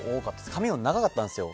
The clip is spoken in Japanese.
髪が長かったんですよ。